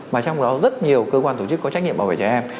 mà trong đó rất nhiều cơ quan tổ chức có trách nhiệm bảo vệ trẻ em